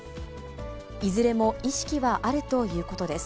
いずれも意識はあるということです。